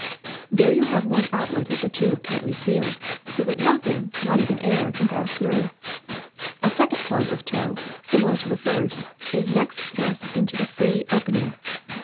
There you have one outlet of the tube tightly sealed, so that nothing, not 564^ THE SECRET OF EVERYDAY THINGS even air, can pass through. A second plug of tow, similar to the first, is next thrust into the free open ing.